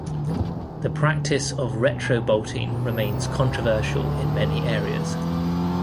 The practise of retro-bolting remains controversial in many areas.